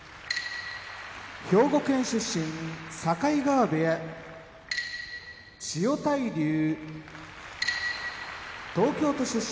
兵庫県出身境川部屋千代大龍東京都出身